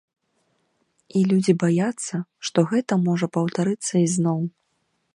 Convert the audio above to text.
І людзі баяцца, што гэта можа паўтарыцца ізноў.